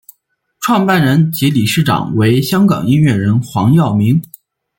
创办人及理事长为香港音乐人黄耀明。